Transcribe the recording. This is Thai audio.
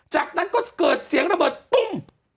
จากนั้นก็เกิดเสียงระเบิดตุ้ม